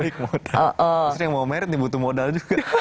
maksudnya yang mau merit butuh modal juga